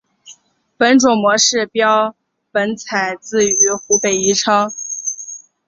本种模式标本采自于湖北宜昌。